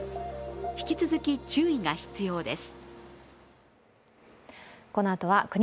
引き続き注意が必要です。